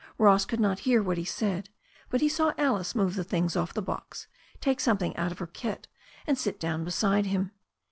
Ross could not hear what he said, but he saw Asia move the things off the box, take some thing out of her kit, and sit down beside him.